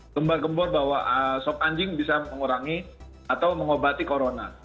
gembar gembor bahwa sop anjing bisa mengurangi atau mengobati corona